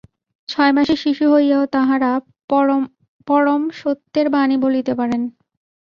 ছয়মাসের শিশু হইয়াও তাঁহারা পরমসত্যের বাণী বলিতে পারেন।